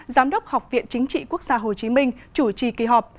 giám đốc học viện chính trị quốc gia hồ chí minh chủ trì kỳ họp